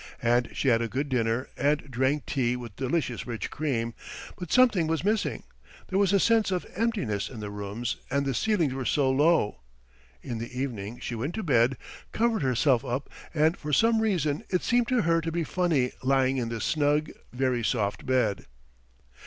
And she had a good dinner and drank tea with delicious rich cream; but something was missing, there was a sense of emptiness in the rooms and the ceilings were so low. In the evening she went to bed, covered herself up and for some reason it seemed to her to be funny lying in this snug, very soft bed.